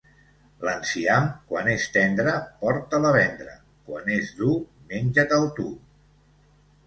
L'enciam, quan és tendre, porta'l a vendre. Quan és dur, menja-te'l tu.